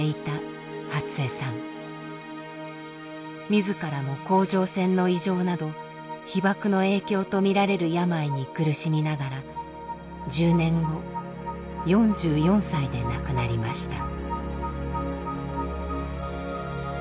自らも甲状腺の異常など被ばくの影響と見られる病に苦しみながら１０年後４４歳で亡くなりました。